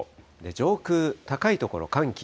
上空、高い所、寒気。